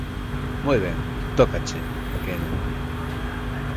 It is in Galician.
Moi ben, tócache, pequeno.